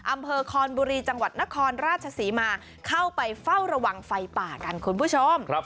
อำเภอคอนบุรีจังหวัดนครราชศรีมาเข้าไปเฝ้าระวังไฟป่ากันคุณผู้ชม